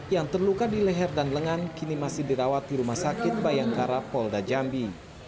yang terluka di leher dan lengan kini masih dirawat di rumah sakit bayangkara polda jambi